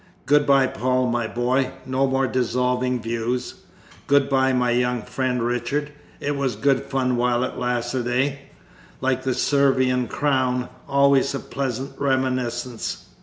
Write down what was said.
"Good bye, Paul, my boy, no more dissolving views. Good bye, my young friend Richard, it was good fun while it lasted, eh? like the Servian crown always a pleasant reminiscence!